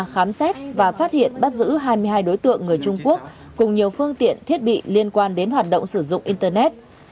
khám xét và phát hiện bắt giữ hai mươi hai đối tượng người trung quốc cùng nhiều phương tiện thiết bị liên quan đến hoạt động sử dụng internet